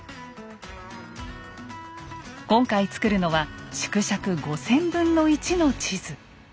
今回作るのは縮尺５，０００分の１の地図。